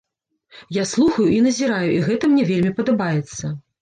Я слухаю і назіраю, і гэта мне вельмі падабаецца.